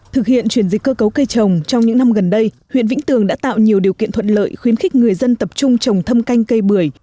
thực hiện chuyển dịch cơ cấu cây trồng trong những năm gần đây huyện vĩnh tường đã tạo nhiều điều kiện thuận lợi khuyến khích người dân tập trung trồng thâm canh cây bưởi